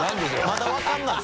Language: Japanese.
まだ分からない。